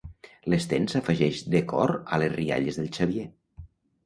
L'Sten s'afegeix de cor a les rialles del Xavier.